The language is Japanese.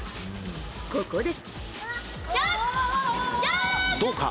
ここで。